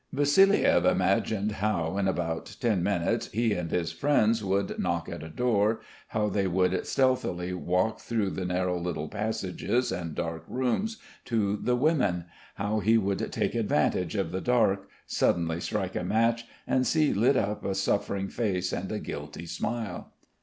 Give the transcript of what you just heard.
Vassiliev Imagined how in about ten minutes he and his friends would knock at a door, how they would stealthily walk through the narrow little passages and dark rooms to the women, how he would take advantage of the dark, suddenly strike a match, and see lit up a suffering face and a guilty smile.